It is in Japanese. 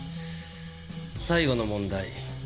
最後の問題。